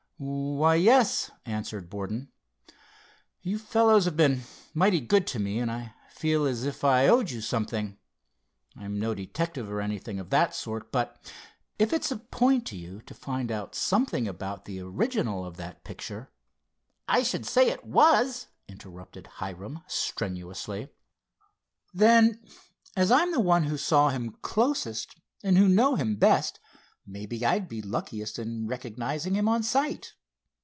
"Why, yes," answered Borden. "You fellows have been mighty good to me, and I feel as if I owed you something. I'm no detective, or anything of that sort, but if it's a point to you to find out something about the original of that picture——" "I should say it was!" interrupted Hiram, strenuously. "Then, as I'm the one who saw him closest, and who know him best, maybe I'd be luckiest in recognizing him on sight.